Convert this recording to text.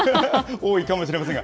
多いかもしれませんが。